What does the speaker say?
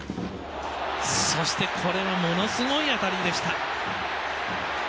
そして、これはものすごい当たりでした。